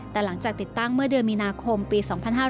แต่หลังจากติดตั้งเมื่อเดือนมีนาคมปี๒๕๕๙